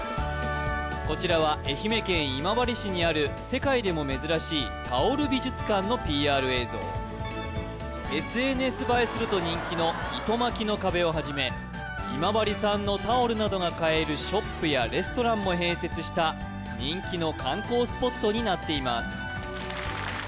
こちらは愛媛県今治市にある世界でも珍しいタオル美術館のＰＲ映像ＳＮＳ映えすると人気の糸巻きの壁をはじめ今治産のタオルなどが買えるショップやレストランも併設した人気の観光スポットになっています